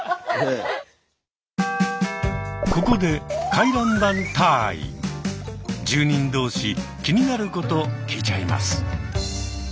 ここで住人同士気になること聞いちゃいます。